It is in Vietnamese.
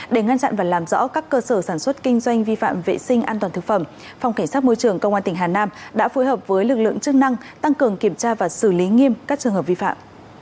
để ngăn chặn và làm rõ các cơ sở sản xuất kinh doanh vi phạm vệ sinh an toàn thực phẩm phòng cảnh sát môi trường công an tỉnh hà nam đã phối hợp với lực lượng chức năng tăng cường kiểm tra và xử lý nghiêm các trường hợp vi phạm